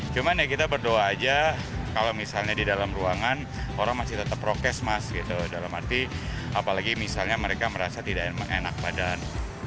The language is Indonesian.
cuma kita berdoa saja kalau misalnya di dalam ruangan orang masih tetap rokes apalagi misalnya mereka merasa tidak enak badan